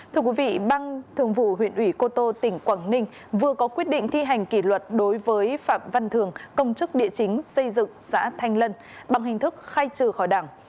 thưa quý vị ban thường vụ huyện ủy cô tô tỉnh quảng ninh vừa có quyết định thi hành kỷ luật đối với phạm văn thường công chức địa chính xây dựng xã thanh lân bằng hình thức khai trừ khỏi đảng